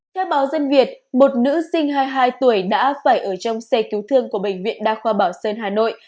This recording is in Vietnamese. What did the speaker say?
theo báo dân việt một nữ sinh hai mươi hai tuổi đã phải ở trong xe cứu thương của bệnh viện đa khoa bảo sơn hà nội